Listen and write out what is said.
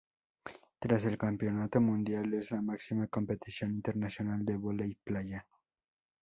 Tras el Campeonato Mundial, es la máxima competición internacional de vóley playa.